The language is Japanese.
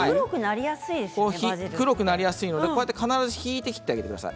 黒くなりやすいので必ず引いて切ってあげてください。